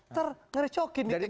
ntar ngerecokin di tkn